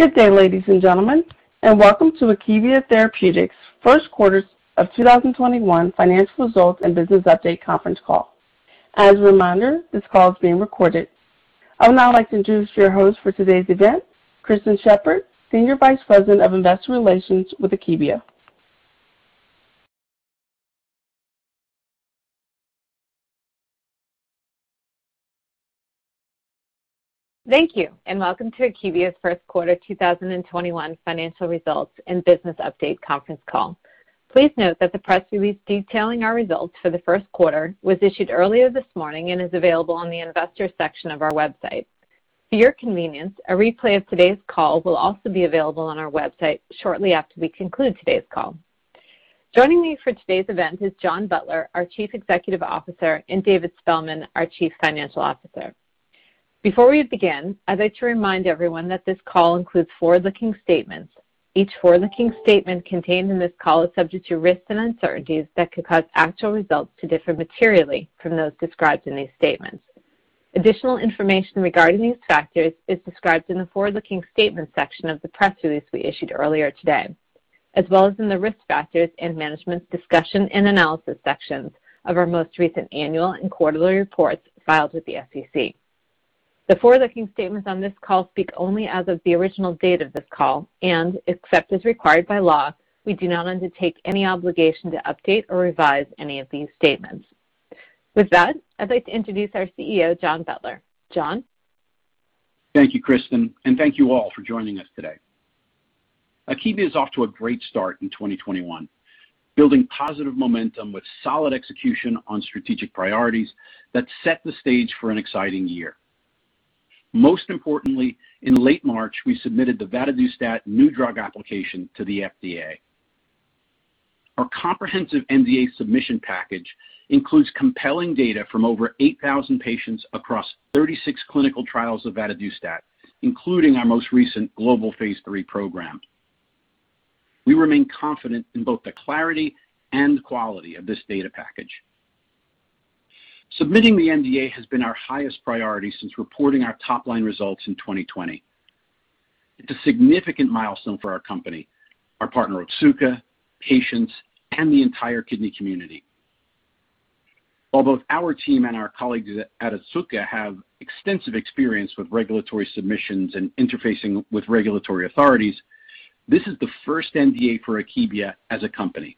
Good day, ladies and gentlemen, and welcome to Akebia Therapeutics' Q1 of 2021 Financial Results and Business Update Conference Call. As a reminder, this call is being recorded. I would now like to introduce your host for today's event, Kristen Shepherd, Senior Vice President of Investor Relations with Akebia. Thank you, and welcome to Akebia's Q1 2021 Financial Results and Business Update Conference Call. Please note that the press release detailing our results for the Q1 was issued earlier this morning and is available on the investors section of our website. For your convenience, a replay of today's call will also be available on our website shortly after we conclude today's call. Joining me for today's event is John Butler, our Chief Executive Officer, and David Spellman, our Chief Financial Officer. Before we begin, I'd like to remind everyone that this call includes forward-looking statements. Each forward-looking statement contained in this call is subject to risks and uncertainties that could cause actual results to differ materially from those described in these statements. Additional information regarding these factors is described in the forward-looking statements section of the press release we issued earlier today, as well as in the Risk Factors and Management Discussion and Analysis sections of our most recent annual and quarterly reports filed with the SEC. The forward-looking statements on this call speak only as of the original date of this call and, except as required by law, we do not undertake any obligation to update or revise any of these statements. With that, I'd like to introduce our CEO, John Butler. John? Thank you, Kristen. Thank you all for joining us today. Akebia is off to a great start in 2021, building positive momentum with solid execution on strategic priorities that set the stage for an exciting year. Most importantly, in late March, we submitted the vadadustat new drug application to the FDA. Our comprehensive NDA submission package includes compelling data from over 8,000 patients across 36 clinical trials of vadadustat, including our most recent global phase III program. We remain confident in both the clarity and quality of this data package. Submitting the NDA has been our highest priority since reporting our top-line results in 2020. It's a significant milestone for our company, our partner Otsuka, patients, and the entire kidney community. While both our team and our colleagues at Otsuka have extensive experience with regulatory submissions and interfacing with regulatory authorities, this is the first NDA for Akebia as a company.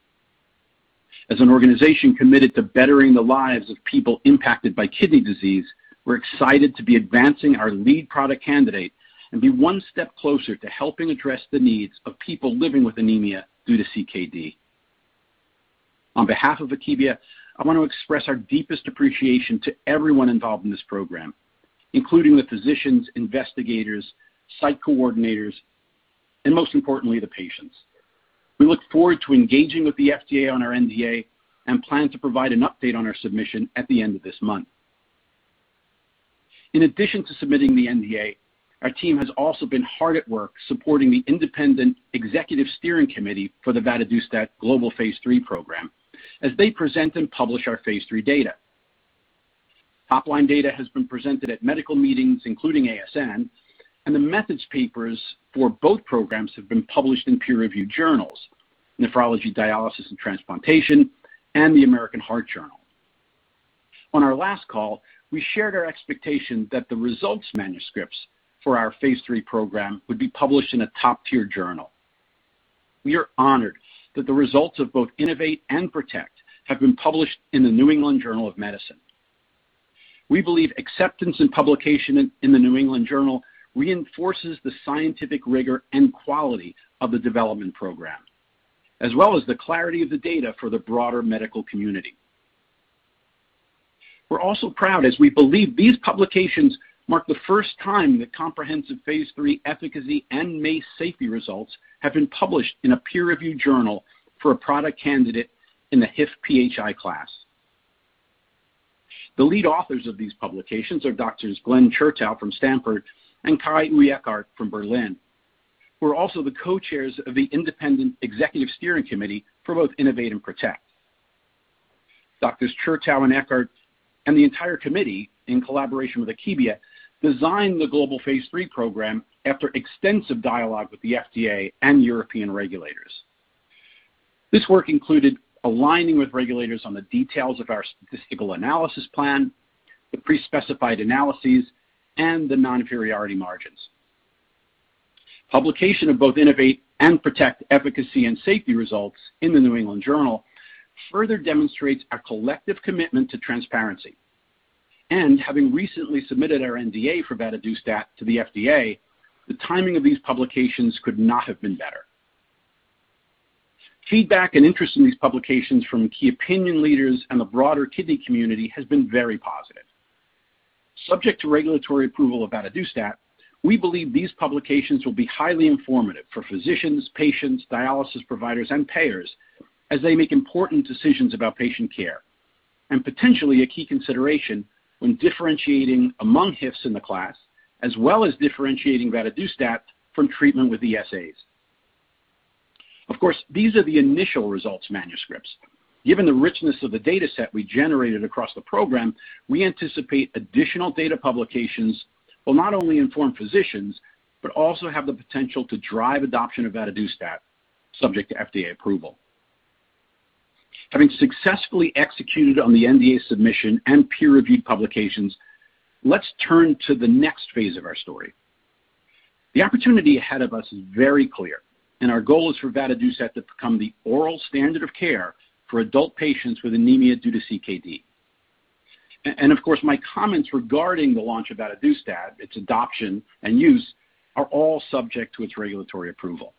As an organization committed to bettering the lives of people impacted by kidney disease, we're excited to be advancing our lead product candidate and be one step closer to helping address the needs of people living with anemia due to CKD. On behalf of Akebia, I want to express our deepest appreciation to everyone involved in this program, including the physicians, investigators, site coordinators, and most importantly, the patients. We look forward to engaging with the FDA on our NDA and plan to provide an update on our submission at the end of this month. In addition to submitting the NDA, our team has also been hard at work supporting the independent executive steering committee for the vadadustat global phase III program as they present and publish our phase III data. Top-line data has been presented at medical meetings, including ASN, and the methods papers for both programs have been published in peer-reviewed journals, Nephrology Dialysis Transplantation, and the American Heart Journal. On our last call, we shared our expectation that the results manuscripts for our phase III program would be published in a top-tier journal. We are honored that the results of both INNO2VATE and PRO2TECT have been published in The New England Journal of Medicine. We believe acceptance and publication in The New England Journal reinforces the scientific rigor and quality of the development program, as well as the clarity of the data for the broader medical community. We're also proud as we believe these publications mark the first time the comprehensive phase III efficacy and MACE safety results have been published in a peer-reviewed journal for a product candidate in the HIF-PHI class. The lead authors of these publications are Doctors Glenn Chertow from Stanford and Kai-Uwe Eckardt from Berlin, who are also the co-chairs of the independent executive steering committee for both INNO2VATE and PRO2TECT. Doctors Chertow and Eckardt, and the entire committee, in collaboration with Akebia, designed the global phase III program after extensive dialogue with the FDA and European regulators. This work included aligning with regulators on the details of our statistical analysis plan, the pre-specified analyses, and the non-inferiority margins. Publication of both INNO2VATE and PRO2TECT efficacy and safety results in The New England Journal of Medicine further demonstrates our collective commitment to transparency. Having recently submitted our NDA for vadadustat to the FDA, the timing of these publications could not have been better. Feedback and interest in these publications from key opinion leaders and the broader kidney community has been very positive. Subject to regulatory approval of vadadustat, we believe these publications will be highly informative for physicians, patients, dialysis providers, and payers as they make important decisions about patient care, and potentially a key consideration when differentiating among HIFs in the class, as well as differentiating vadadustat from treatment with ESAs. Of course, these are the initial results manuscripts. Given the richness of the data set we generated across the program, we anticipate additional data publications will not only inform physicians, but also have the potential to drive adoption of vadadustat, subject to FDA approval. Having successfully executed on the NDA submission and peer-reviewed publications, let's turn to the next phase of our story. The opportunity ahead of us is very clear, and our goal is for vadadustat to become the oral standard of care for adult patients with anemia due to CKD. Of course, my comments regarding the launch of vadadustat, its adoption and use, are all subject to its regulatory approval.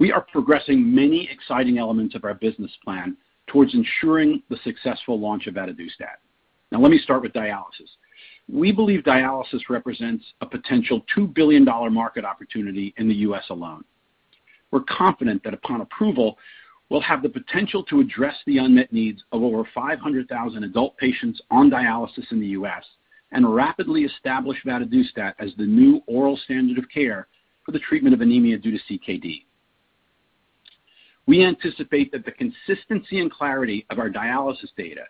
We are progressing many exciting elements of our business plan towards ensuring the successful launch of vadadustat. Now let me start with dialysis. We believe dialysis represents a potential $2 billion market opportunity in the U.S. alone. We're confident that upon approval, we'll have the potential to address the unmet needs of over 500,000 adult patients on dialysis in the U.S. and rapidly establish vadadustat as the new oral standard of care for the treatment of anemia due to CKD. We anticipate that the consistency and clarity of our dialysis data,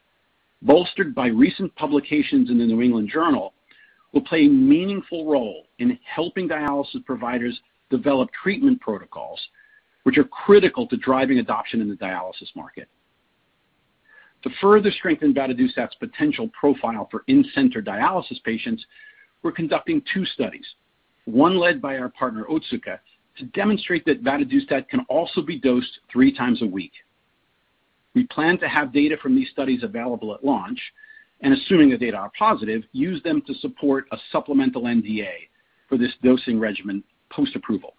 bolstered by recent publications in The New England Journal of Medicine, will play a meaningful role in helping dialysis providers develop treatment protocols, which are critical to driving adoption in the dialysis market. To further strengthen vadadustat's potential profile for in-center dialysis patients, we're conducting two studies, one led by our partner, Otsuka, to demonstrate that vadadustat can also be dosed 3x a week. We plan to have data from these studies available at launch, and assuming the data are positive, use them to support a supplemental NDA for this dosing regimen post-approval.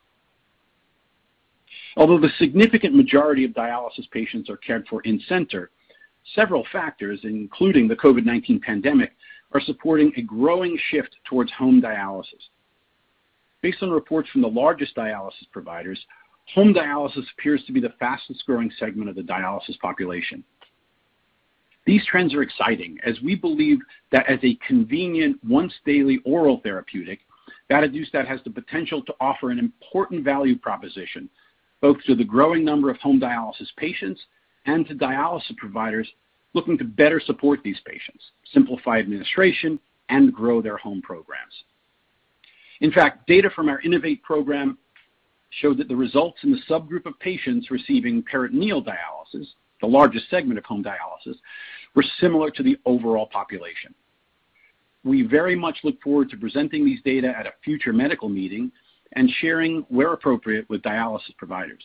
Although the significant majority of dialysis patients are cared for in-center, several factors, including the COVID-19 pandemic, are supporting a growing shift towards home dialysis. Based on reports from the largest dialysis providers, home dialysis appears to be the fastest-growing segment of the dialysis population. These trends are exciting as we believe that as a convenient, once-daily oral therapeutic, vadadustat has the potential to offer an important value proposition both to the growing number of home dialysis patients and to dialysis providers looking to better support these patients, simplify administration, and grow their home programs. In fact, data from our INNO2VATE program show that the results in the subgroup of patients receiving peritoneal dialysis, the largest segment of home dialysis, were similar to the overall population. We very much look forward to presenting these data at a future medical meeting and sharing where appropriate with dialysis providers.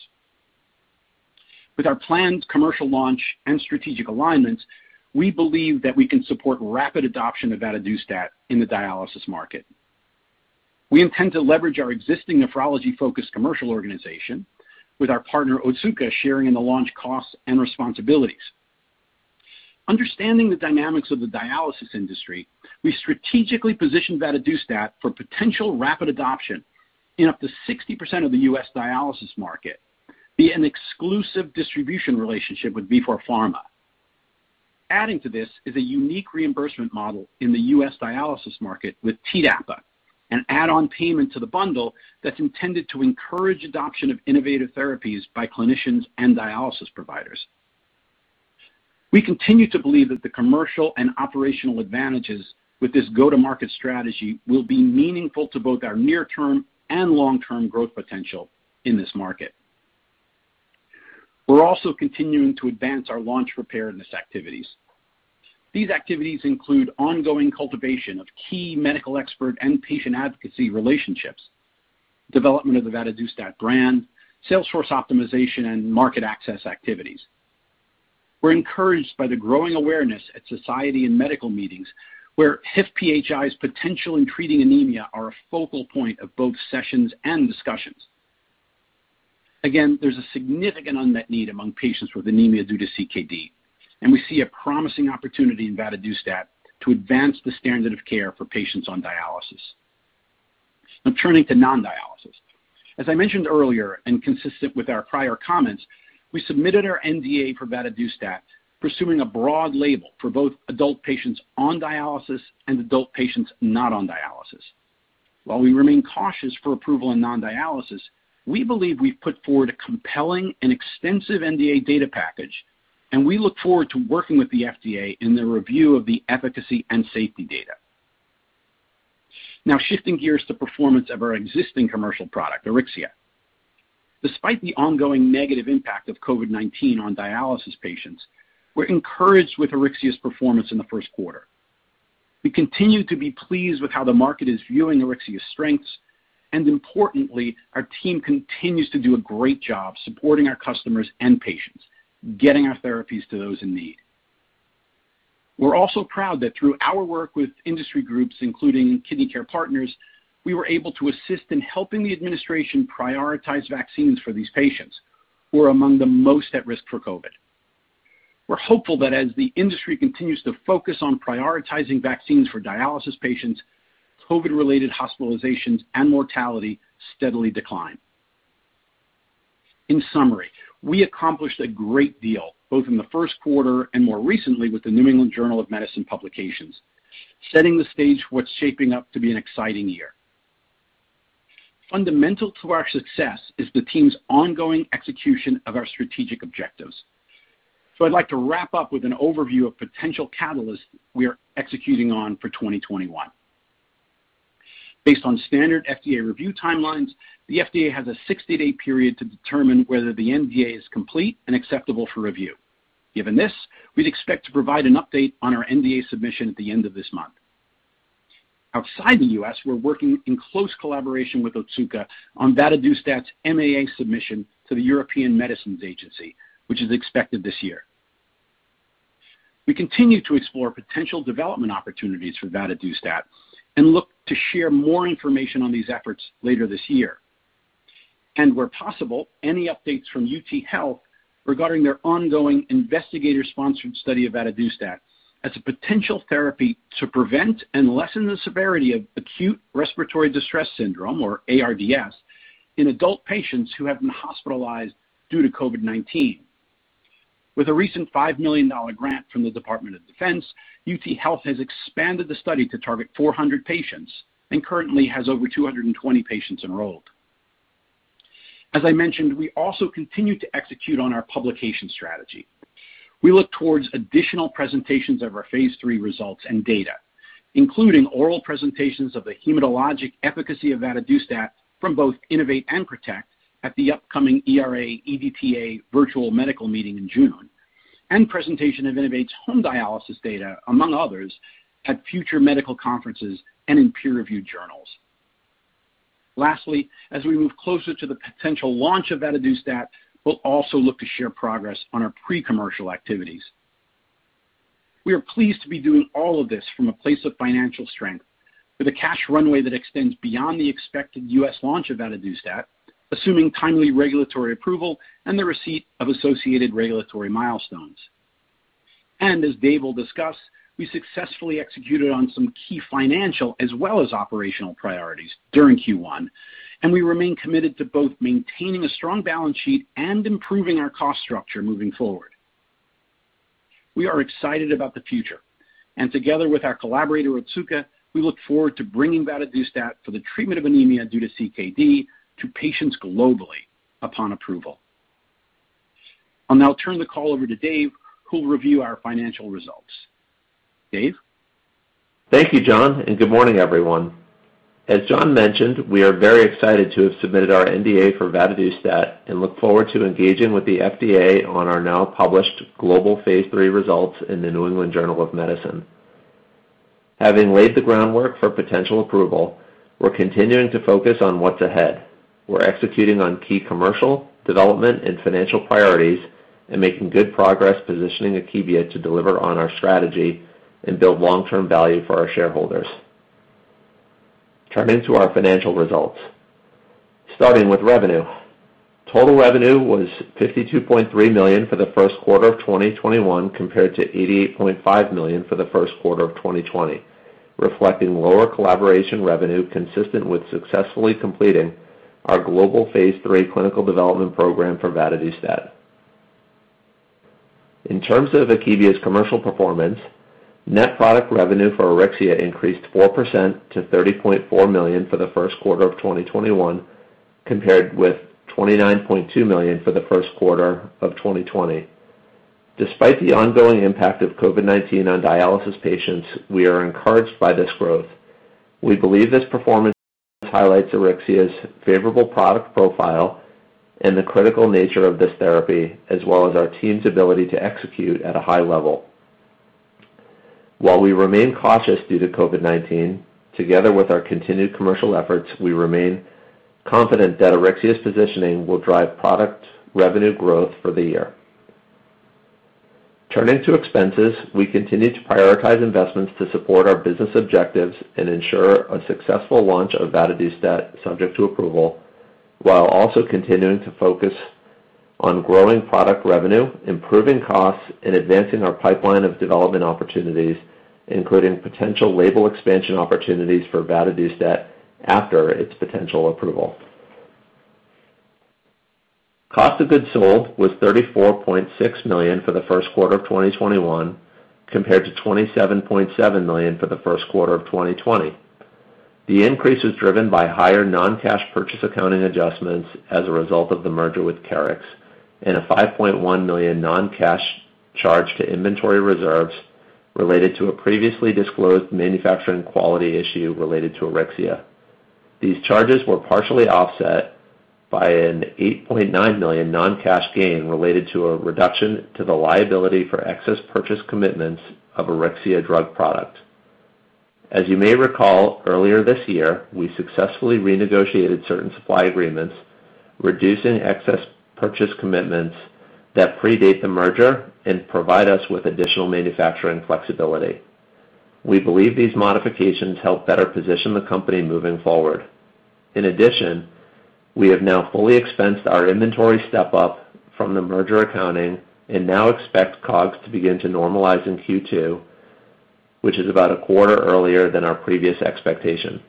With our planned commercial launch and strategic alignments, we believe that we can support rapid adoption of vadadustat in the dialysis market. We intend to leverage our existing nephrology-focused commercial organization with our partner, Otsuka, sharing in the launch costs and responsibilities. Understanding the dynamics of the dialysis industry, we strategically positioned vadadustat for potential rapid adoption in up to 60% of the U.S. dialysis market via an exclusive distribution relationship with Vifor Pharma. Adding to this is a unique reimbursement model in the U.S. dialysis market with TDAPA, an add-on payment to the bundle that's intended to encourage adoption of innovative therapies by clinicians and dialysis providers. We continue to believe that the commercial and operational advantages with this go-to-market strategy will be meaningful to both our near-term and long-term growth potential in this market. We're also continuing to advance our launch preparedness activities. These activities include ongoing cultivation of key medical expert and patient advocacy relationships, development of the vadadustat brand, salesforce optimization, and market access activities. We're encouraged by the growing awareness at society and medical meetings where HIF-PHIs potential in treating anemia are a focal point of both sessions and discussions. Again, there's a significant unmet need among patients with anemia due to CKD, and we see a promising opportunity in vadadustat to advance the standard of care for patients on dialysis. Now turning to non-dialysis. As I mentioned earlier and consistent with our prior comments, we submitted our NDA for vadadustat, pursuing a broad label for both adult patients on dialysis and adult patients not on dialysis. While we remain cautious for approval in non-dialysis, we believe we've put forward a compelling and extensive NDA data package, and we look forward to working with the FDA in the review of the efficacy and safety data. Now shifting gears to performance of our existing commercial product, AURYXIA. Despite the ongoing negative impact of COVID-19 on dialysis patients, we're encouraged with AURYXIA's performance in the Q1. We continue to be pleased with how the market is viewing AURYXIA's strengths, and importantly, our team continues to do a great job supporting our customers and patients, getting our therapies to those in need. We're also proud that through our work with industry groups, including Kidney Care Partners, we were able to assist in helping the administration prioritize vaccines for these patients who are among the most at risk for COVID. We're hopeful that as the industry continues to focus on prioritizing vaccines for dialysis patients, COVID-related hospitalizations and mortality steadily decline. In summary, we accomplished a great deal both in the Q1 and more recently with the New England Journal of Medicine publications. Setting the stage for what's shaping up to be an exciting year. Fundamental to our success is the team's ongoing execution of our strategic objectives. I'd like to wrap up with an overview of potential catalysts we are executing on for 2021. Based on standard FDA review timelines, the FDA has a 60-day period to determine whether the NDA is complete and acceptable for review. Given this, we'd expect to provide an update on our NDA submission at the end of this month. Outside the U.S., we're working in close collaboration with Otsuka on vadadustat's MAA submission to the European Medicines Agency, which is expected this year. We continue to explore potential development opportunities for vadadustat and look to share more information on these efforts later this year. Where possible, any updates from UTHealth regarding their ongoing investigator-sponsored study of vadadustat as a potential therapy to prevent and lessen the severity of acute respiratory distress syndrome, or ARDS, in adult patients who have been hospitalized due to COVID-19. With a recent $5 million grant from the Department of Defense, UTHealth has expanded the study to target 400 patients and currently has over 220 patients enrolled. As I mentioned, we also continue to execute on our publication strategy. We look towards additional presentations of our phase III results and data, including oral presentations of the hematologic efficacy of vadadustat from both INNO2VATE and PRO2TECT at the upcoming ERA-EDTA virtual medical meeting in June, and presentation of INNO2VATE's home dialysis data, among others, at future medical conferences and in peer-reviewed journals. Lastly, as we move closer to the potential launch of vadadustat, we'll also look to share progress on our pre-commercial activities. We are pleased to be doing all of this from a place of financial strength with a cash runway that extends beyond the expected U.S. launch of vadadustat, assuming timely regulatory approval and the receipt of associated regulatory milestones. As Dave will discuss, we successfully executed on some key financial as well as operational priorities during Q1, and we remain committed to both maintaining a strong balance sheet and improving our cost structure moving forward. We are excited about the future, and together with our collaborator, Otsuka, we look forward to bringing vadadustat for the treatment of anemia due to CKD to patients globally upon approval. I'll now turn the call over to Dave, who'll review our financial results. Dave? Thank you, John. Good morning, everyone. As John mentioned, we are very excited to have submitted our NDA for vadadustat and look forward to engaging with the FDA on our now published global phase III results in The New England Journal of Medicine. Having laid the groundwork for potential approval, we're continuing to focus on what's ahead. We're executing on key commercial, development, and financial priorities and making good progress positioning Akebia to deliver on our strategy and build long-term value for our shareholders. Turning to our financial results. Starting with revenue. Total revenue was $52.3 million for the Q1 of 2021 compared to $88.5 million for the Q1 of 2020, reflecting lower collaboration revenue consistent with successfully completing our global phase III clinical development program for vadadustat. In terms of Akebia's commercial performance, net product revenue for AURYXIA increased 4% to $30.4 million for the Q1 of 2021, compared with $29.2 million for the Q1 of 2020. Despite the ongoing impact of COVID-19 on dialysis patients, we are encouraged by this growth. We believe this performance highlights AURYXIA's favorable product profile and the critical nature of this therapy, as well as our team's ability to execute at a high level. While we remain cautious due to COVID-19, together with our continued commercial efforts, we remain confident that AURYXIA's positioning will drive product revenue growth for the year. Turning to expenses. We continue to prioritize investments to support our business objectives and ensure a successful launch of vadadustat subject to approval, while also continuing to focus on growing product revenue, improving costs, and advancing our pipeline of development opportunities, including potential label expansion opportunities for vadadustat after its potential approval. Cost of goods sold was $34.6 million for the Q1 of 2021 compared to $27.7 million for the Q1 of 2020. The increase was driven by higher non-cash purchase accounting adjustments as a result of the merger with Keryx and a $5.1 million non-cash charge to inventory reserves related to a previously disclosed manufacturing quality issue related to AURYXIA. These charges were partially offset by an $8.9 million non-cash gain related to a reduction to the liability for excess purchase commitments of AURYXIA drug product. As you may recall, earlier this year, we successfully renegotiated certain supply agreements, reducing excess purchase commitments that predate the merger and provide us with additional manufacturing flexibility. We believe these modifications help better position the company moving forward. In addition, we have now fully expensed our inventory step-up from the merger accounting and now expect COGS to begin to normalize in Q2, which is about a quarter earlier than our previous expectation.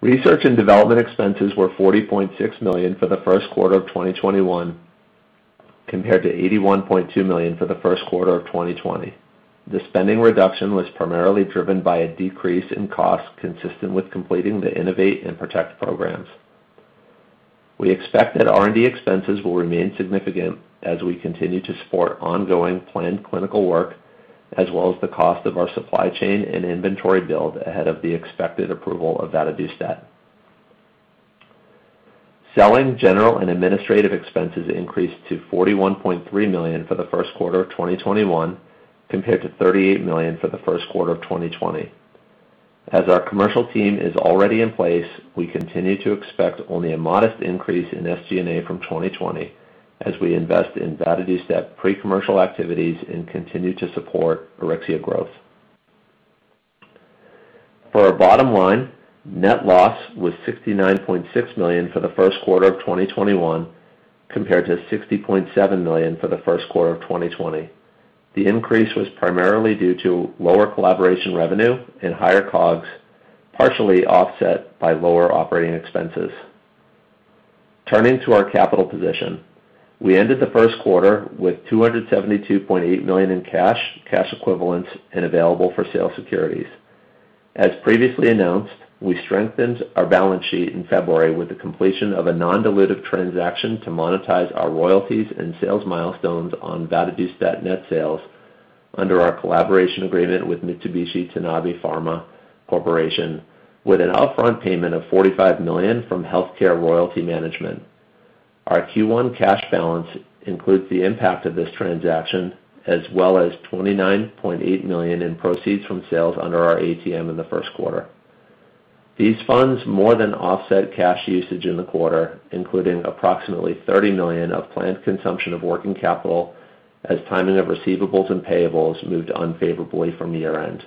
Research and development expenses were $40.6 million for the Q1 of 2021, compared to $81.2 million for the Q1 of 2020. The spending reduction was primarily driven by a decrease in cost consistent with completing the INNO2VATE and PRO2TECT programs. We expect that R&D expenses will remain significant as we continue to support ongoing planned clinical work, as well as the cost of our supply chain and inventory build ahead of the expected approval of vadadustat. Selling, general and administrative expenses increased to $41.3 million for the Q1 of 2021 compared to $38 million for the Q1 of 2020. As our commercial team is already in place, we continue to expect only a modest increase in SG&A from 2020 as we invest in vadadustat pre-commercial activities and continue to support AURYXIA growth. For our bottom line, net loss was $69.6 million for the Q1 of 2021 compared to $60.7 million for the Q1 of 2020. The increase was primarily due to lower collaboration revenue and higher COGS, partially offset by lower operating expenses. Turning to our capital position. We ended the Q1 with $272.8 million in cash equivalents, and available-for-sale securities. As previously announced, we strengthened our balance sheet in February with the completion of a non-dilutive transaction to monetize our royalties and sales milestones on vadadustat net sales under our collaboration agreement with Mitsubishi Tanabe Pharma Corporation with an upfront payment of $45 million from HealthCare Royalty Management. Our Q1 cash balance includes the impact of this transaction as well as $29.8 million in proceeds from sales under our ATM in the Q1. These funds more than offset cash usage in the quarter, including approximately $30 million of planned consumption of working capital as timing of receivables and payables moved unfavorably from year-end.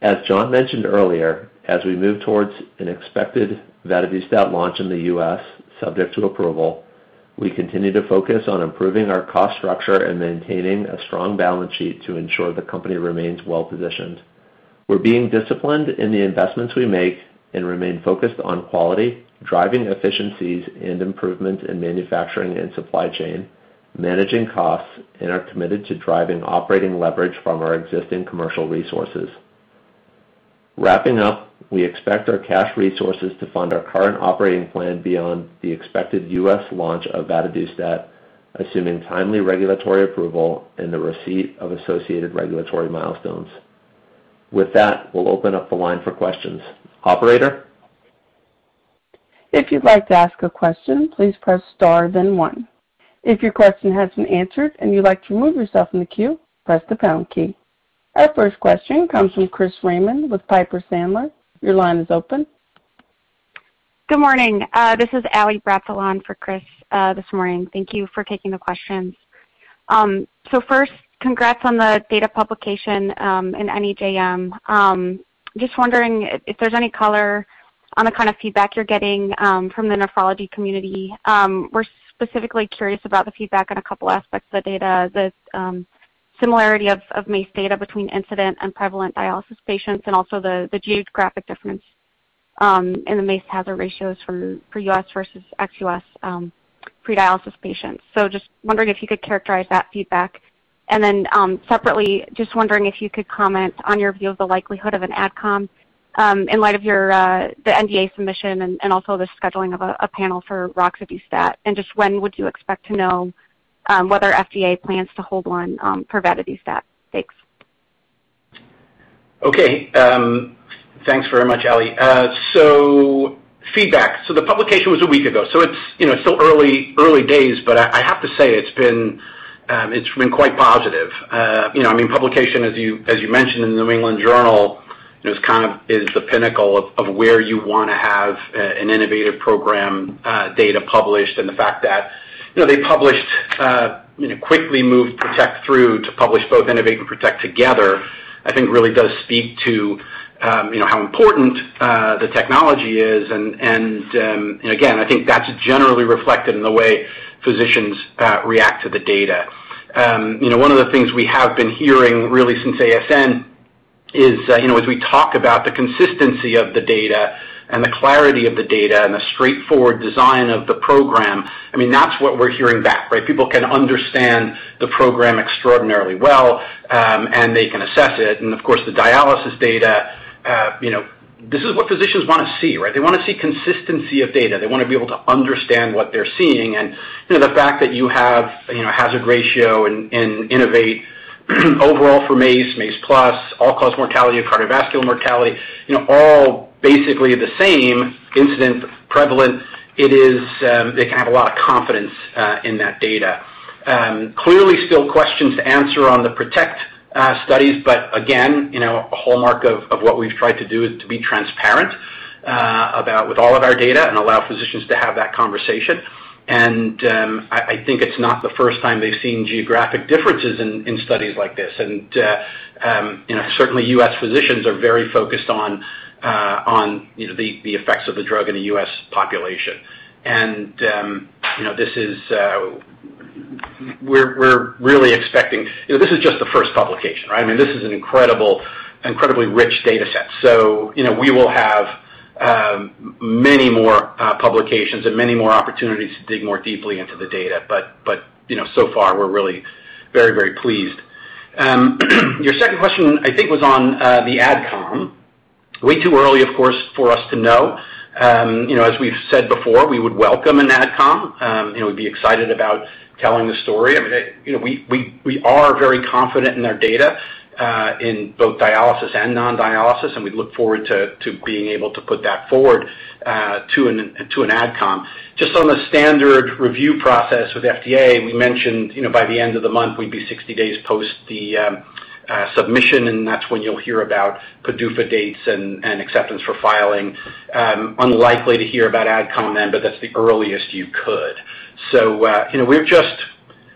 As John mentioned earlier, as we move towards an expected vadadustat launch in the U.S., subject to approval, we continue to focus on improving our cost structure and maintaining a strong balance sheet to ensure the company remains well-positioned. We're being disciplined in the investments we make and remain focused on quality, driving efficiencies and improvement in manufacturing and supply chain, managing costs, and are committed to driving operating leverage from our existing commercial resources. Wrapping up, we expect our cash resources to fund our current operating plan beyond the expected U.S. launch of vadadustat, assuming timely regulatory approval and the receipt of associated regulatory milestones. With that, we'll open up the line for questions. Operator? If you'd like to ask a question, please press star then one. If your question has been answered and you'd like to remove yourself from the queue, press the pound key. Our first question comes from Chris Raymond with Piper Sandler. Your line is open. Good morning. This is Alex Bratalon for Chris this morning. Thank you for taking the questions. First, congrats on the data publication in NEJM. Just wondering if there's any color on the kind of feedback you're getting from the nephrology community. We're specifically curious about the feedback on a couple aspects of the data, the similarity of MACE data between incident and prevalent dialysis patients, and also the geographic difference in the MACE hazard ratios for U.S. versus ex-U.S. pre-dialysis patients. Just wondering if you could characterize that feedback. Separately, just wondering if you could comment on your view of the likelihood of an AdComm in light of the NDA submission and also the scheduling of a panel for roxadustat, and just when would you expect to know whether FDA plans to hold one for vadadustat? Thanks. Okay. Thanks very much, Ally. Feedback. The publication was a week ago, so it's still early days, but I have to say it's been quite positive. Publication, as you mentioned, in The New England Journal is the pinnacle of where you want to have an innovative program data published and the fact that they quickly moved PRO2TECT through to publish both INNO2VATE and PRO2TECT together, I think really does speak to how important the technology is and again, I think that's generally reflected in the way physicians react to the data. One of the things we have been hearing really since ASN is as we talk about the consistency of the data and the clarity of the data and the straightforward design of the program, that's what we're hearing back. People can understand the program extraordinarily well and they can assess it. Of course, the dialysis data, this is what physicians want to see. They want to see consistency of data. They want to be able to understand what they're seeing, and the fact that you have hazard ratio in INNO2VATE overall for MACE+, all-cause mortality or cardiovascular mortality, all basically the same incident prevalent, they can have a lot of confidence in that data. Clearly, still questions to answer on the PRO2TECT studies, but again, a hallmark of what we've tried to do is to be transparent with all of our data and allow physicians to have that conversation. I think it's not the first time they've seen geographic differences in studies like this. Certainly, U.S. physicians are very focused on the effects of the drug in the U.S. population. This is- We're really expecting. This is just the first publication, right? I mean, this is an incredibly rich data set. We will have many more publications and many more opportunities to dig more deeply into the data. So far we're really very, very pleased. Your second question, I think, was on the AdComm. Way too early, of course, for us to know. As we've said before, we would welcome an AdComm, we'd be excited about telling the story. I mean, we are very confident in our data, in both dialysis and non-dialysis, and we look forward to being able to put that forward to an Ad Comm. Just on the standard review process with FDA, we mentioned by the end of the month, we'd be 60 days post the submission, and that's when you'll hear about PDUFA dates and acceptance for filing. Unlikely to hear about Ad Comm then, but that's the earliest you could. We're just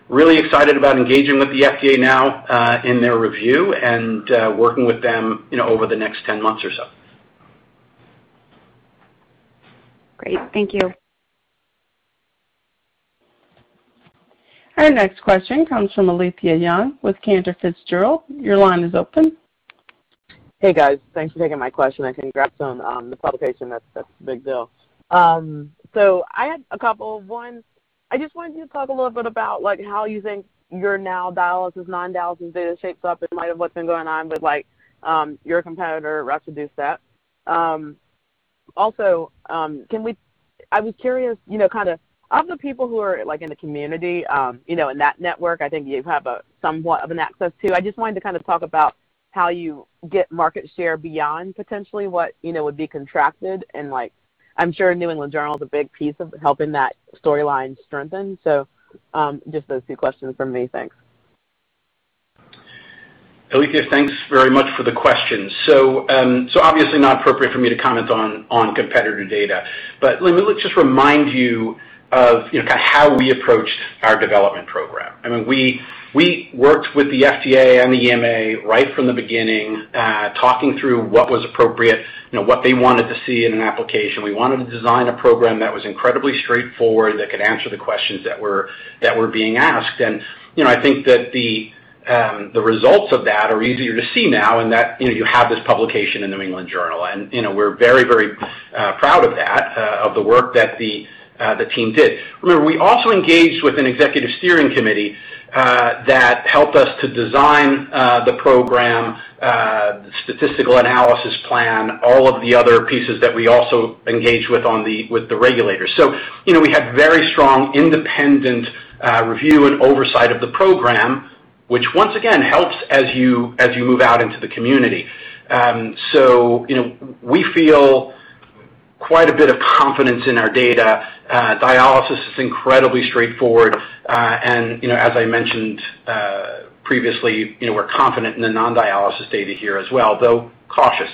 really excited about engaging with the FDA now in their review and working with them over the next 10 months or so. Great. Thank you. Our next question comes from Alethia Young with Cantor Fitzgerald. Your line is open. Hey, guys. Thanks for taking my question, and congrats on the publication. That's a big deal. I had a couple. One, I just wanted you to talk a little bit about how you think your now dialysis, non-dialysis data shapes up in light of what's been going on with your competitor, roxadustat. Also, I was curious, of the people who are in the community, in that network, I think you have somewhat of an access to. I just wanted to talk about how you get market share beyond potentially what would be contracted and I'm sure New England Journal is a big piece of helping that storyline strengthen. just those two questions from me. Thanks. Alethia, thanks very much for the questions. Obviously not appropriate for me to comment on competitor data. Let me just remind you of how we approached our development program. I mean, we worked with the FDA and the EMA right from the beginning, talking through what was appropriate, what they wanted to see in an application. We wanted to design a program that was incredibly straightforward, that could answer the questions that were being asked. I think that the results of that are easier to see now in that you have this publication in The New England Journal. We're very, very proud of that, of the work that the team did. Remember, we also engaged with an executive steering committee that helped us to design the program, statistical analysis plan, all of the other pieces that we also engaged with the regulators. We had very strong independent review and oversight of the program, which once again helps as you move out into the community. We feel quite a bit of confidence in our data. Dialysis is incredibly straightforward. As I mentioned previously, we're confident in the non-dialysis data here as well, though cautious.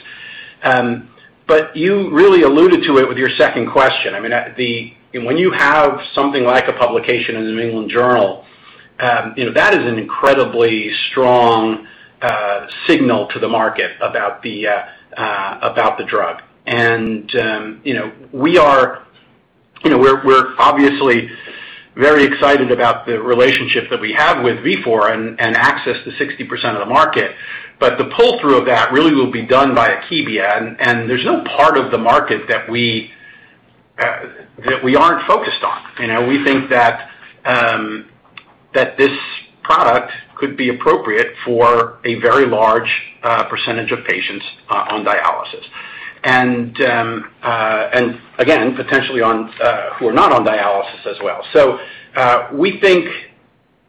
You really alluded to it with your second question. I mean, when you have something like a publication in The New England Journal, that is an incredibly strong signal to the market about the drug. We're obviously very excited about the relationship that we have with Vifor and access to 60% of the market. The pull-through of that really will be done by Akebia, and there's no part of the market that we aren't focused on. We think that this product could be appropriate for a very large percentage of patients on dialysis. Again, potentially who are not on dialysis as well. we think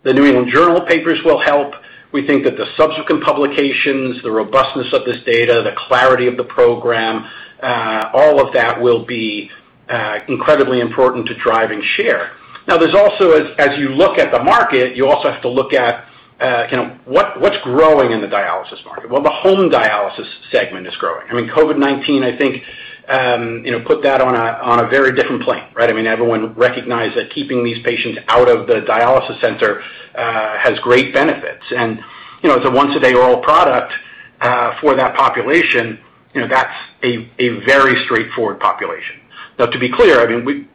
The New England Journal papers will help. We think that the subsequent publications, the robustness of this data, the clarity of the program, all of that will be incredibly important to driving share. Now, there's also, as you look at the market, you also have to look at what's growing in the dialysis market. Well, the home dialysis segment is growing. I mean, COVID-19, I think put that on a very different plane, right? I mean, everyone recognized that keeping these patients out of the dialysis center has great benefits. as a once a day oral product for that population, that's a very straightforward population. Now, to be clear, I mean,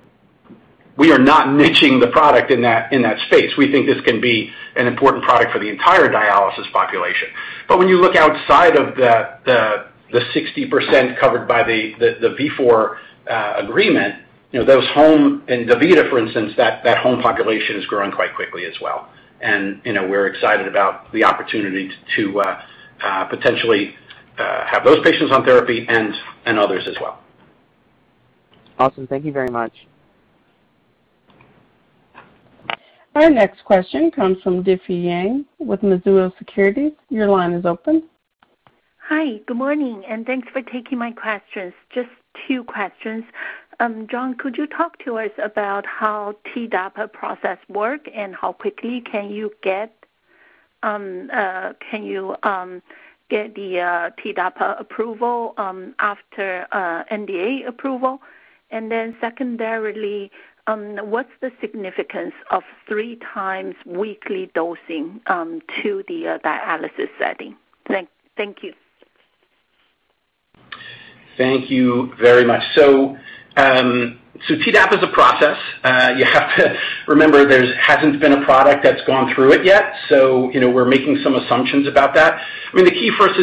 we are not niching the product in that space. We think this can be an important product for the entire dialysis population. when you look outside of the 60% covered by the Vifor agreement, those home in DaVita, for instance, that home population is growing quite quickly as well. we're excited about the opportunity to potentially have those patients on therapy and others as well. Awesome. Thank you very much. Our next question comes from Difei Yang with Mizuho Securities. Your line is open. Hi, good morning, and thanks for taking my questions. Just two questions. John, could you talk to us about how TDAPA process work and how quickly can you get the TDAPA approval after NDA approval? secondarily, what's the significance of three times weekly dosing to the dialysis setting? Thank you. Thank you very much. TDAPA is a process. You have to remember there hasn't been a product that's gone through it yet, so we're making some assumptions about that. The key for us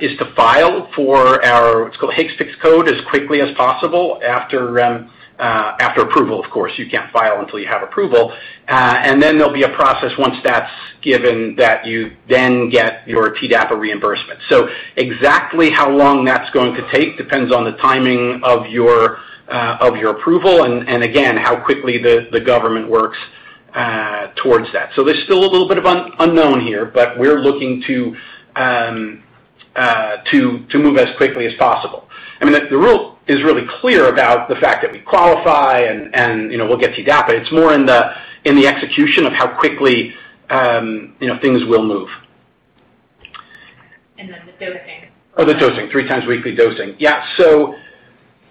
is to file for our, what's called a HCPCS code as quickly as possible after approval, of course. You can't file until you have approval. Then there'll be a process once that's given that you then get your TDAPA reimbursement. Exactly how long that's going to take depends on the timing of your approval and again, how quickly the government works towards that. There's still a little bit of unknown here, but we're looking to move as quickly as possible. The rule is really clear about the fact that we qualify and we'll get TDAPA, but it's more in the execution of how quickly things will move. Oh, the dosing, 3x weekly dosing. Yeah.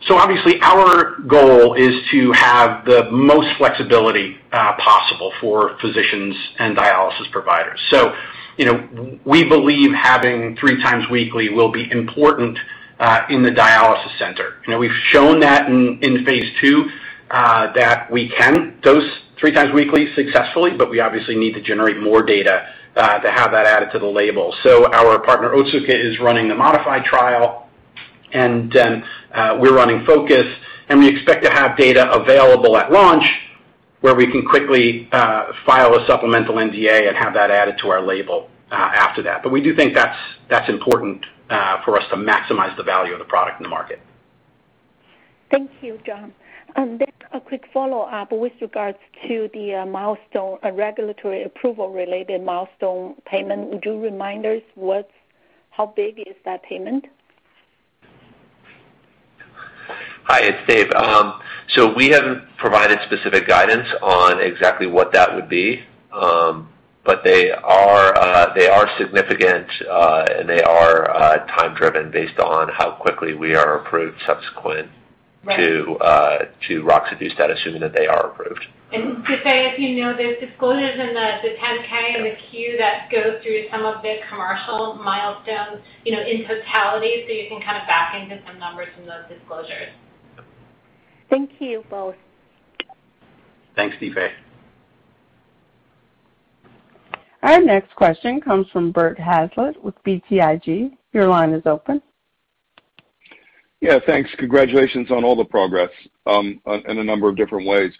obviously our goal is to have the most flexibility possible for physicians and dialysis providers. we believe having 3x weekly will be important in the dialysis center. We've shown that in phase II, that we can dose 3x weekly successfully, but we obviously need to generate more data to have that added to the label. our partner, Otsuka, is running the Modify trial, and we're running Focus, and we expect to have data available at launch where we can quickly file a supplemental NDA and have that added to our label after that. we do think that's important for us to maximize the value of the product in the market. Thank you, John. A quick follow-up with regards to the regulatory approval related milestone payment. Would you remind us how big is that payment? Hi, it's Dave. we haven't provided specific guidance on exactly what that would be. they are significant, and they are time driven based on how quickly we are approved subsequent to roxadustat, assuming that they are approved. To say, if you know, there's disclosures in the 10-K and the 10-Q that go through some of the commercial milestones in totality, so you can kind of back into some numbers from those disclosures. Thank you both. Thanks, Difei. Our next question comes from Bert Hazlett with BTIG. Your line is open. Yeah, thanks. Congratulations on all the progress in a number of different ways.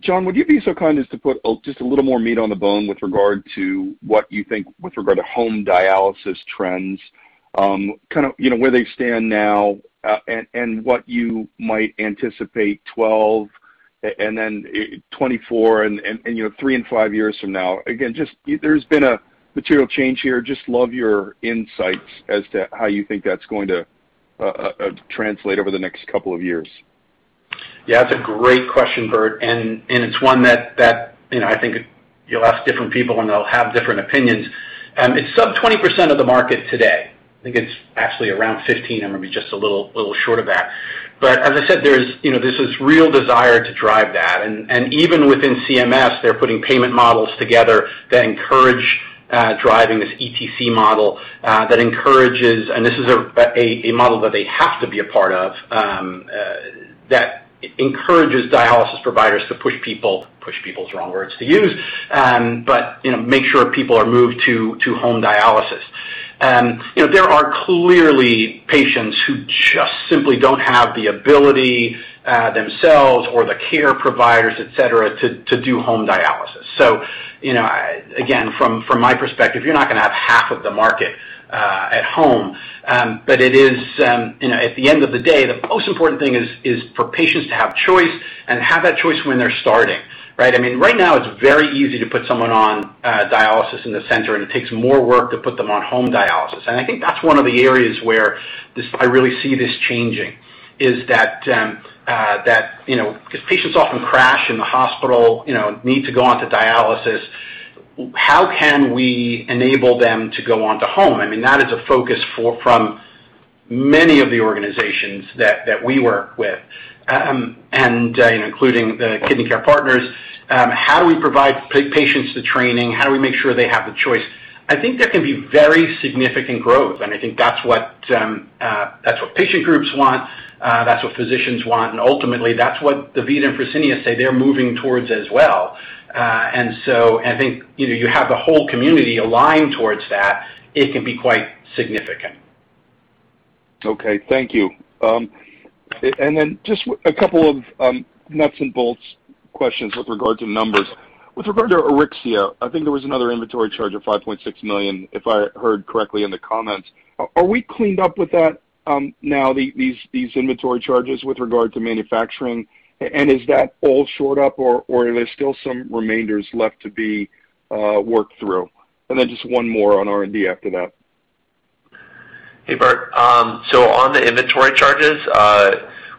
John, would you be so kind as to put just a little more meat on the bone with regard to what you think with regard to home dialysis trends, where they stand now, and what you might anticipate 12 and then 24 and three and five years from now? Again, there's been a material change here. Just love your insights as to how you think that's going to translate over the next couple of years. Yeah, that's a great question, Bert, and it's one that I think you'll ask different people, and they'll have different opinions. It's sub 20% of the market today. I think it's actually around 15%. I'm going to be just a little short of that. As I said, there's this real desire to drive that. Even within CMS, they're putting payment models together that encourage driving this ETC model that encourages dialysis providers to push people. Push people is the wrong words to use. Make sure people are moved to home dialysis. There are clearly patients who just simply don't have the ability themselves or the care providers, et cetera, to do home dialysis. Again, from my perspective, you're not going to have half of the market at home. At the end of the day, the most important thing is for patients to have choice and have that choice when they're starting. Right? Right now it's very easy to put someone on dialysis in the center, and it takes more work to put them on home dialysis. I think that's one of the areas where I really see this changing, is that because patients often crash in the hospital, need to go onto dialysis, how can we enable them to go on to home? That is a focus from many of the organizations that we work with, including the Kidney Care Partners. How do we provide patients the training? How do we make sure they have the choice? I think there can be very significant growth, and I think that's what patient groups want, that's what physicians want, and ultimately, that's what DaVita and Fresenius say they're moving towards as well. I think you have the whole community aligned towards that. It can be quite significant. Okay. Thank you. Just a couple of nuts and bolts questions with regard to numbers. With regard to AURYXIA, I think there was another inventory charge of $5.6 million, if I heard correctly in the comments. Are we cleaned up with that now, these inventory charges with regard to manufacturing, and is that all shored up, or are there still some remainders left to be worked through? Just one more on R&D after that. Hey, Bert. On the inventory charges,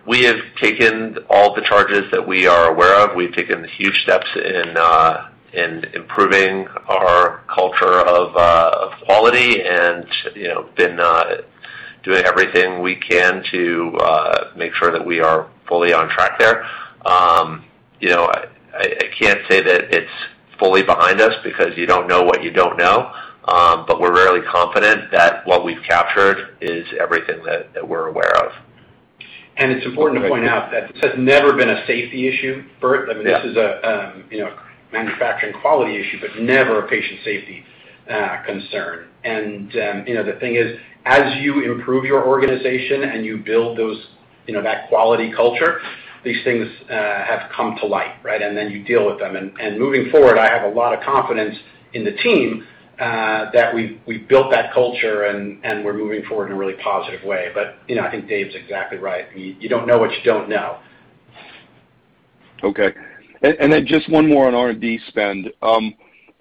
we have taken all the charges that we are aware of. We've taken huge steps in improving our culture of quality and been doing everything we can to make sure that we are fully on track there. I can't say that it's fully behind us because you don't know what you don't know. We're really confident that what we've captured is everything that we're aware of. It's important to point out that this has never been a safety issue, Bert. Yeah. This is a manufacturing quality issue, but never a patient safety concern. The thing is, as you improve your organization and you build that quality culture, these things have come to light, right? You deal with them. Moving forward, I have a lot of confidence in the team that we've built that culture and we're moving forward in a really positive way. I think Dave's exactly right. You don't know what you don't know. Okay. just one more on R&D spend.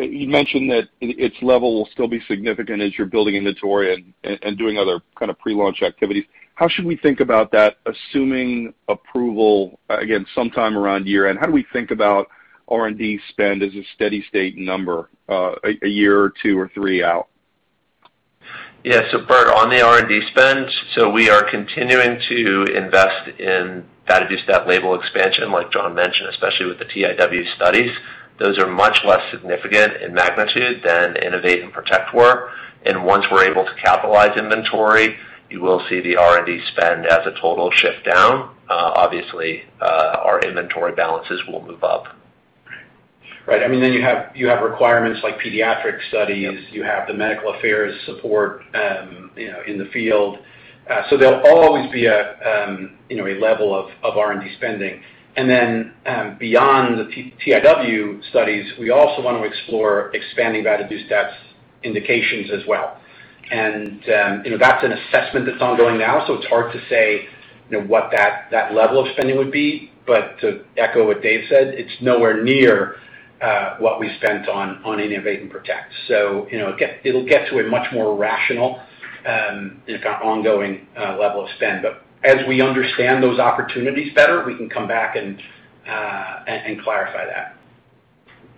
You mentioned that its level will still be significant as you're building inventory and doing other kind of pre-launch activities. How should we think about that, assuming approval, again, sometime around year-end? How do we think about R&D spend as a steady state number a year or two or three out? Yeah. Bert, on the R&D spend, so we are continuing to invest in that vadadustat label expansion, like John mentioned, especially with the TIW studies. Those are much less significant in magnitude than INNO2VATE and PRO2TECT were. Once we're able to capitalize inventory, you will see the R&D spend as a total shift down. Obviously, our inventory balances will move up. Right. You have requirements like pediatric studies. You have the medical affairs support in the field. There'll always be a level of R&D spending. Beyond the TIW studies, we also want to explore expanding vadadustat's indications as well. That's an assessment that's ongoing now, so it's hard to say what that level of spending would be. To echo what Dave said, it's nowhere near what we spent on INNO2VATE and PRO2TECT. It'll get to a much more rational ongoing level of spend. As we understand those opportunities better, we can come back and clarify that.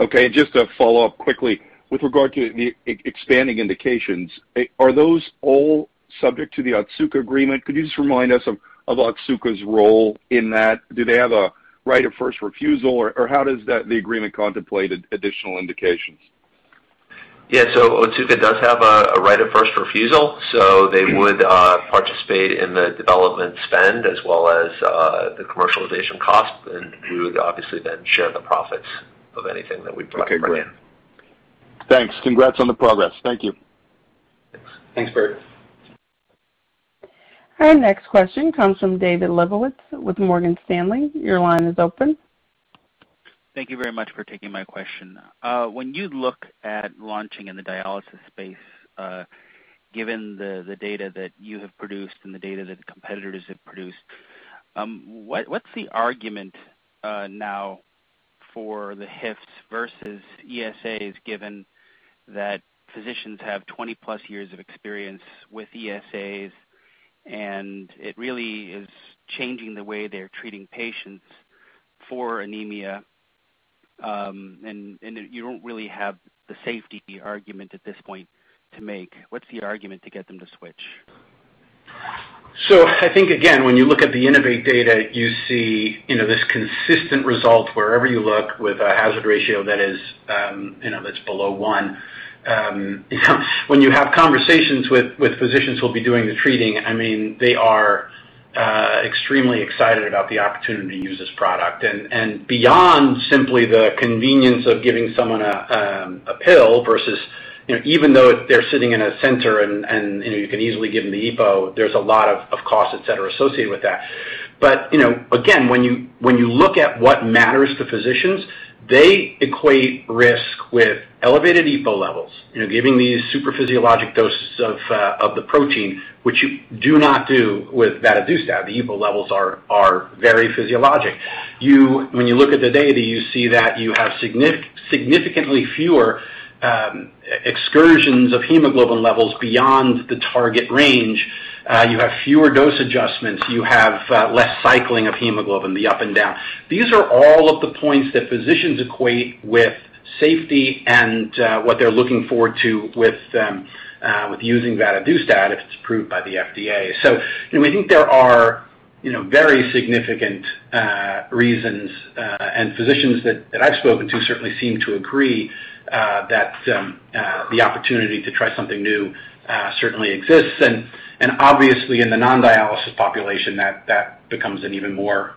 Okay, just to follow up quickly with regard to the expanding indications, are those all subject to the Otsuka agreement? Could you just remind us of Otsuka's role in that? Do they have a right of first refusal, or how does the agreement contemplate additional indications? Yeah. Otsuka does have a right of first refusal, so they would participate in the development spend as well as the commercialization cost, and we would obviously then share the profits of anything that we bring in. Okay, great. Thanks. Congrats on the progress. Thank you. Thanks, Bert. Our next question comes from David Lebowitz with Morgan Stanley. Your line is open. Thank you very much for taking my question. When you look at launching in the dialysis space, given the data that you have produced and the data that competitors have produced, what's the argument now for the HIF versus ESAs, given that physicians have 20+ years of experience with ESAs and it really is changing the way they're treating patients for anemia, and you don't really have the safety argument at this point to make. What's the argument to get them to switch? I think, again, when you look at the INNO2VATE data, you see this consistent result wherever you look with a hazard ratio that's below one. When you have conversations with physicians who'll be doing the treating, they are extremely excited about the opportunity to use this product. Beyond simply the convenience of giving someone a pill versus even though they're sitting in a center and you can easily give them the EPO, there's a lot of cost, et cetera, associated with that. Again, when you look at what matters to physicians, they equate risk with elevated EPO levels. Giving these supraphysiologic doses of the protein, which you do not do with vadadustat. The EPO levels are very physiologic. When you look at the data, you see that you have significantly fewer excursions of hemoglobin levels beyond the target range. You have fewer dose adjustments. You have less cycling of hemoglobin, the up and down. These are all of the points that physicians equate with safety and what they're looking forward to with using vadadustat if it's approved by the FDA. We think there are very significant reasons, and physicians that I've spoken to certainly seem to agree, that the opportunity to try something new certainly exists. Obviously in the non-dialysis population, that becomes an even more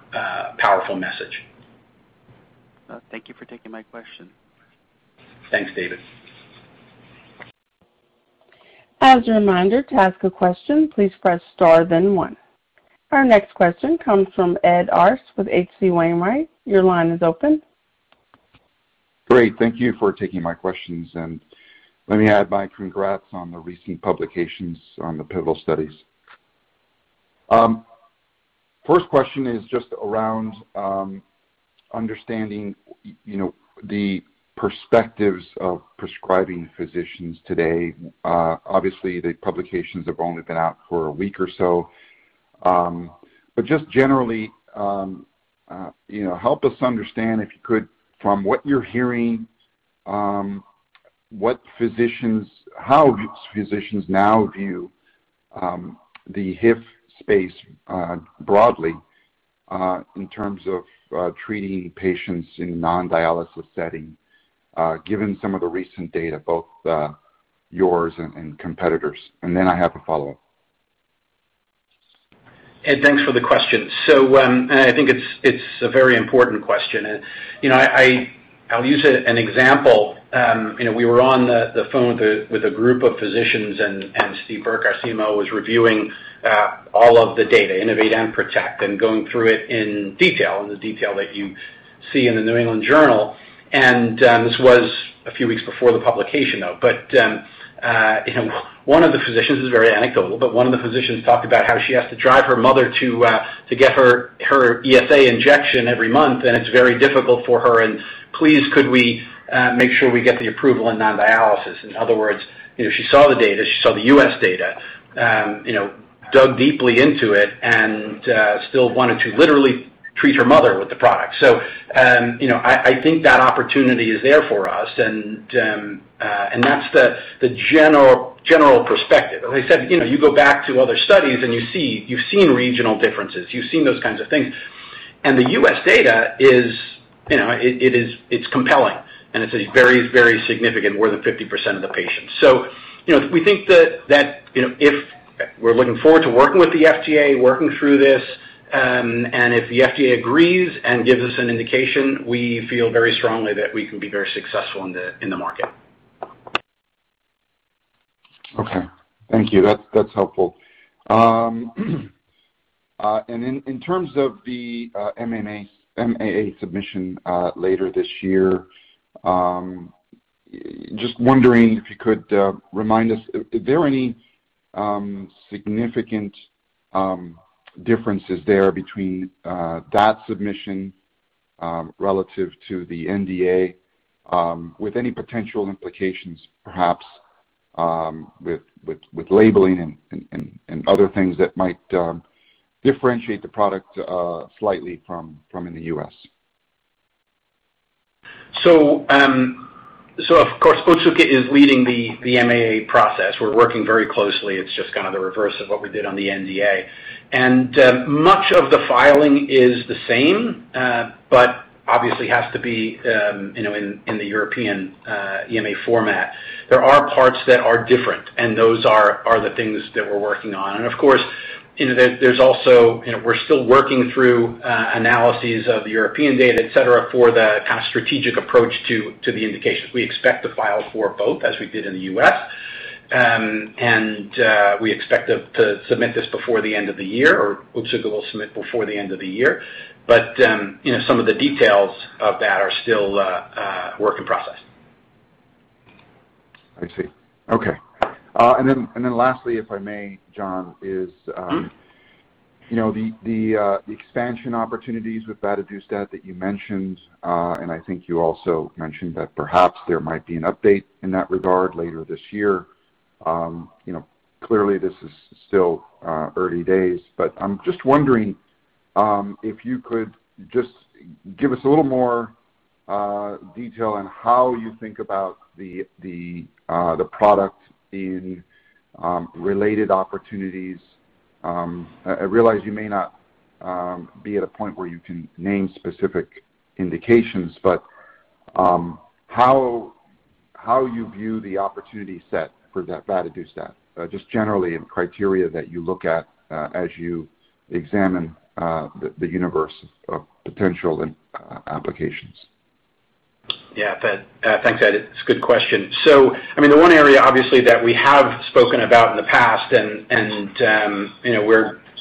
powerful message. Well, thank you for taking my question. Thanks, David. As a reminder, to ask a question, please press star then one. Our next question comes from Ed Arce with H.C. Wainwright. Your line is open. Great. Thank you for taking my questions, and let me add my congrats on the recent publications on the pivotal studies. First question is just around understanding the perspectives of prescribing physicians today. Obviously, the publications have only been out for a week or so. Just generally, help us understand, if you could, from what you're hearing, how physicians now view the HIF space broadly in terms of treating patients in non-dialysis setting, given some of the recent data, both yours and competitors. I have a follow-up. Ed, thanks for the question. I think it's a very important question. I'll use an example. We were on the phone with a group of physicians, and Steve Burke, our CMO, was reviewing all of the data, INNO2VATE and PRO2TECT, and going through it in detail, in the detail that you see in the New England Journal. This was a few weeks before the publication, though. This is very anecdotal, but one of the physicians talked about how she has to drive her mother to get her ESA injection every month, and it's very difficult for her, and please could we make sure we get the approval in non-dialysis. In other words, she saw the data, she saw the U.S. data, dug deeply into it, and still wanted to literally treat her mother with the product. I think that opportunity is there for us, and that's the general perspective. As I said, you go back to other studies and you've seen regional differences. You've seen those kinds of things. The U.S. data is compelling, and it's very significant, more than 50% of the patients. We're looking forward to working with the FDA, working through this, and if the FDA agrees and gives us an indication, we feel very strongly that we can be very successful in the market. Okay. Thank you. That's helpful. In terms of the MAA submission later this year, just wondering if you could remind us, are there any significant differences there between that submission relative to the NDA with any potential implications, perhaps with labeling and other things that might differentiate the product slightly from in the U.S.? Of course, Otsuka is leading the MAA process. We're working very closely. It's just kind of the reverse of what we did on the NDA. Much of the filing is the same, but obviously has to be in the European EMA format. There are parts that are different, and those are the things that we're working on. Of course, we're still working through analyses of the European data, et cetera, for the strategic approach to the indications. We expect to file for both, as we did in the U.S., and we expect to submit this before the end of the year, or Otsuka will submit before the end of the year. Some of the details of that are still a work in process. I see. Okay. Lastly, if I may, John, is the expansion opportunities with vadadustat that you mentioned, and I think you also mentioned that perhaps there might be an update in that regard later this year. Clearly this is still early days, but I'm just wondering if you could just give us a little more detail on how you think about the product in related opportunities. I realize you may not be at a point where you can name specific indications, but how you view the opportunity set for that vadadustat, just generally in criteria that you look at as you examine the universe of potential applications. Yeah. Thanks, Ed. It's a good question. the one area, obviously, that we have spoken about in the past, and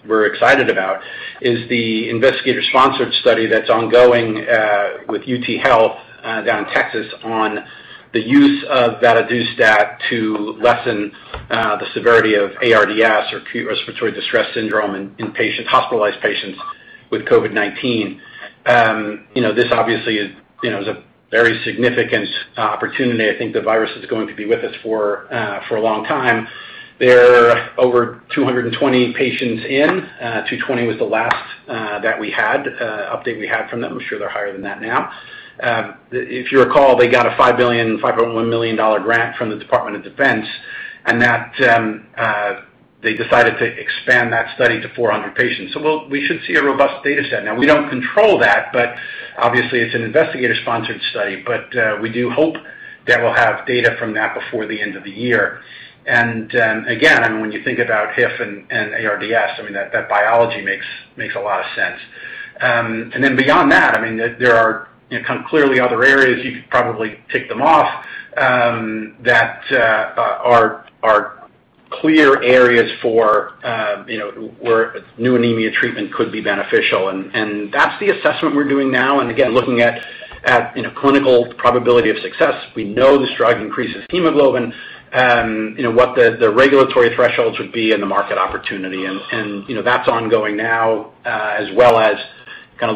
we're excited about is the investigator-sponsored study that's ongoing with UTHealth down in Texas on the use of vadadustat to lessen the severity of ARDS, or respiratory distress syndrome in hospitalized patients with COVID-19. This obviously is a very significant opportunity. I think the virus is going to be with us for a long time. There are over 220 patients in. 220 was the last update we had from them. I'm sure they're higher than that now. If you recall, they got a $5.1 million grant from the Department of Defense, and they decided to expand that study to 400 patients. we should see a robust data set. Now, we don't control that, but obviously it's an investigator-sponsored study, but we do hope that we'll have data from that before the end of the year. Again, when you think about HIF and ARDS, that biology makes a lot of sense. Then beyond that, there are clearly other areas, you could probably tick them off, that are clear areas where new anemia treatment could be beneficial, and that's the assessment we're doing now. Again, looking at clinical probability of success. We know this drug increases hemoglobin. What the regulatory thresholds would be and the market opportunity, and that's ongoing now, as well as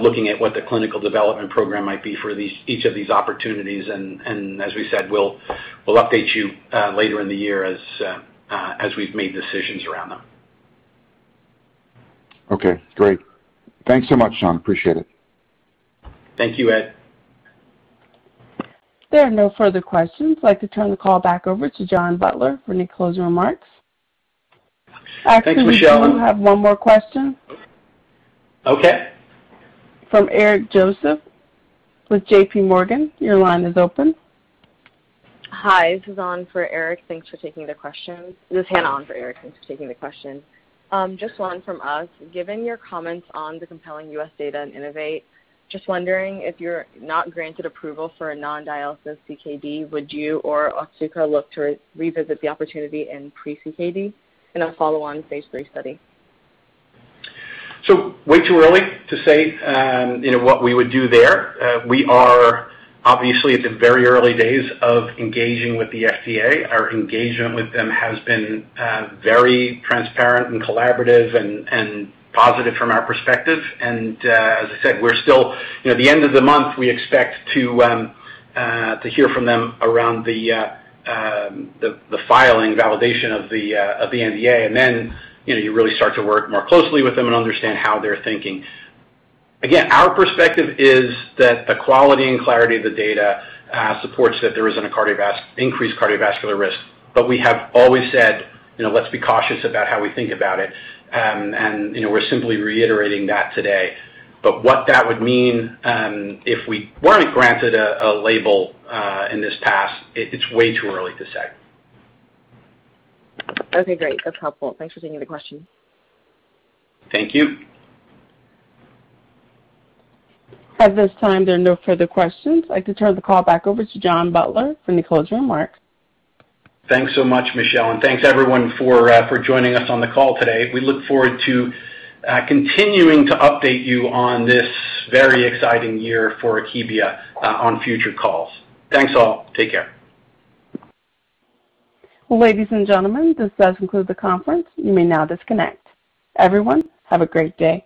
looking at what the clinical development program might be for each of these opportunities. As we said, we'll update you later in the year as we've made decisions around them. Okay, great. Thanks so much, John. Appreciate it. Thank you, Ed. There are no further questions. I'd like to turn the call back over to John Butler for any closing remarks. Thanks, Michelle. Actually, we do have one more question. Okay. From Eric Joseph with JPMorgan. Your line is open. Hi, this is Anna for Eric. Thanks for taking the question. Just one from us. Given your comments on the compelling U.S. data in INNO2VATE, just wondering if you're not granted approval for a non-dialysis CKD, would you or Otsuka look to revisit the opportunity in pre-CKD in a follow-on phase III study? Way too early to say what we would do there. We are obviously at the very early days of engaging with the FDA. Our engagement with them has been very transparent and collaborative and positive from our perspective. As I said, the end of the month, we expect to hear from them around the filing validation of the NDA. You really start to work more closely with them and understand how they're thinking. Again, our perspective is that the quality and clarity of the data supports that there isn't an increased cardiovascular risk. We have always said, let's be cautious about how we think about it. We're simply reiterating that today. What that would mean if we weren't granted a label in this pass, it's way too early to say. Okay, great. That's helpful. Thanks for taking the question. Thank you. At this time, there are no further questions. I'd like to turn the call back over to John Butler for any closing remarks. Thanks so much, Michelle, and thanks, everyone, for joining us on the call today. We look forward to continuing to update you on this very exciting year for Akebia on future calls. Thanks, all. Take care. Ladies and gentlemen, this does conclude the conference. You may now disconnect. Everyone, have a great day.